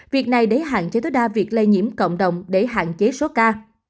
việc này để hạn chế tối đa việc lây nhiễm cộng đồng để hạn chế số ca